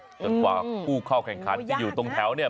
จนกว่าผู้เข้าแข่งขันจะอยู่ตรงแถวเนี่ย